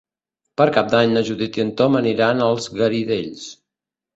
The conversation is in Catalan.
Per Cap d'Any na Judit i en Tom aniran als Garidells.